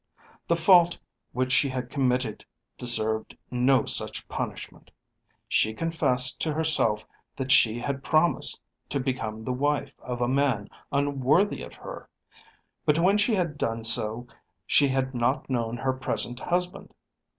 The fault which she had committed deserved no such punishment. She confessed to herself that she had promised to become the wife of a man unworthy of her; but when she had done so she had not known her present husband.